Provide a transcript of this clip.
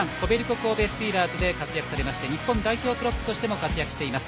神戸スティーラーズで活躍され日本代表プロップとしても活躍しています